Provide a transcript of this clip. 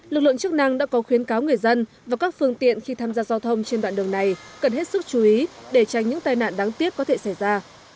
lực lượng chức năng đã có khuyến cáo người dân và các phương tiện khi tham gia giao thông trên đoạn đường này cần hết sức chú ý để tránh những tai nạn đáng tiếc có thể xảy ra